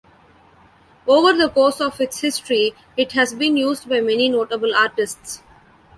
Over the course of its history, it has been used by many notable artists.